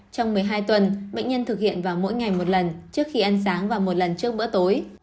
trong một mươi hai tuần bệnh nhân thực hiện vào mỗi ngày một lần trước khi ăn sáng và một lần trước bữa tối